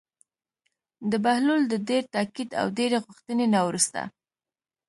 د بهلول د ډېر تاکید او ډېرې غوښتنې نه وروسته.